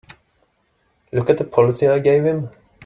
Look at the policy I gave him!